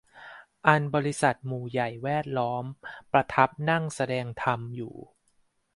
อันบริษัทหมู่ใหญ่แวดล้อมประทับนั่งแสดงธรรมอยู่